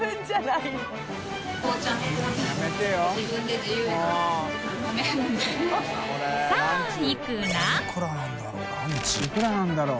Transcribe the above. いくらなんだろう？